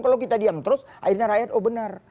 kalau kita diam terus akhirnya rakyat oh benar